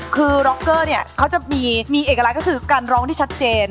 คือร็อกเกอร์เนี่ยเขาจะมีเอกลักษณ์ก็คือการร้องที่ชัดเจน